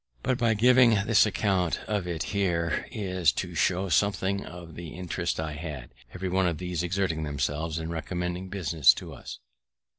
But my giving this account of it here is to show something of the interest I had, everyone of these exerting themselves in recommending business to us.